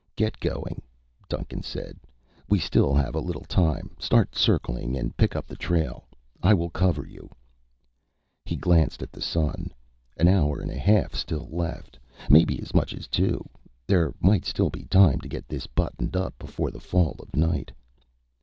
"Get going," Duncan said. "We still have a little time. Start circling and pick up the trail. I will cover you." He glanced at the sun. An hour and a half still left maybe as much as two. There might still be time to get this buttoned up before the fall of night.